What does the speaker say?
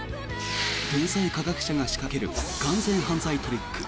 天才科学者が仕掛ける完全犯罪トリック。